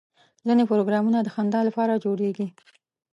ځینې پروګرامونه د خندا لپاره جوړېږي.